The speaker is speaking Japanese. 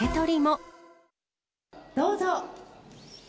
どうぞ。